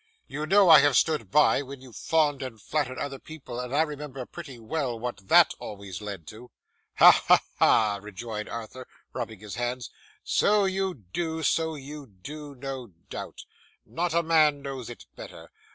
You know I have stood by when you fawned and flattered other people, and I remember pretty well what THAT always led to.' 'Ha, ha, ha!' rejoined Arthur, rubbing his hands. 'So you do, so you do, no doubt. Not a man knows it better.